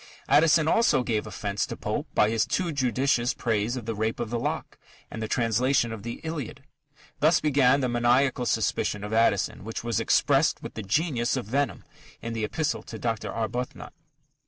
Addison also gave offence to Pope by his too judicious praise of The Rape of the Lock and the translation of the Iliad. Thus began the maniacal suspicion of Addison, which was expressed with the genius of venom in the _Epistle to Dr. Arbuthnot.